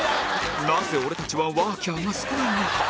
なぜ俺たちはワーキャーが少ないのか？